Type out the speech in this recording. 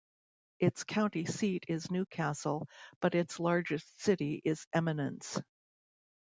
Its county seat is New Castle, but its largest city is Eminence.